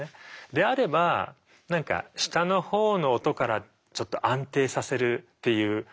であれば何か下のほうの音からちょっと安定させるっていう。